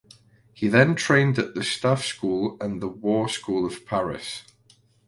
He then trained at the staff school and the war school of Paris.